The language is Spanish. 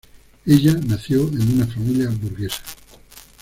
Ella nació en una familia burguesa.